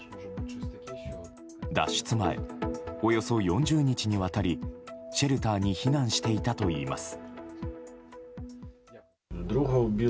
脱出前、およそ４０日にわたりシェルターに避難していたといいます。